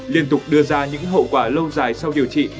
liên tục đưa ra những hậu quả lâu dài sau điều trị